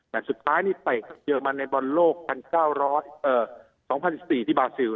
แมทสุดท้ายนี้เตะเยอะมาในบอลโลก๒๐๐๔ที่บาซิล